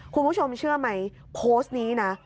คุณผู้ชมเชื่อไหมโพสต์นี้นะ